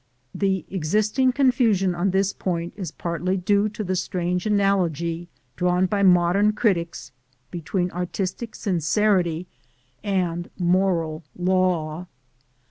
The existing confusion on this point is partly due to the strange analogy drawn by modern critics between artistic sincerity and moral law.